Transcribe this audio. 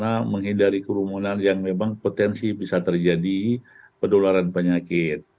karena menghindari kerumunan yang memang potensi bisa terjadi penularan penyakit